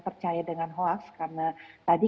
percaya dengan hoax karena tadi